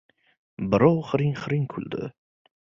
Birov hiring-hiring kuldi.